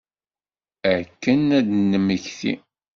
Akken ad d-nemmekti.